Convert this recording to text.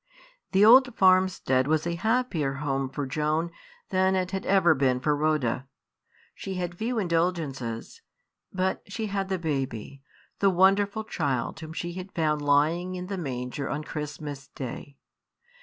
The old farmstead was a happier home for Joan than it had ever been for Rhoda. She had few indulgences, but she had the baby, the wonderful child whom she had found lying in the manger on Christmas Day.